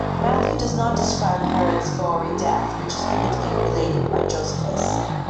Matthew does not describe Herod's gory death, which is vividly related by Josephus.